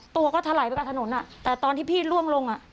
ตัวก็ถลายไปกับถนนอ่ะแต่ตอนที่พี่ล่วงลงอ่ะ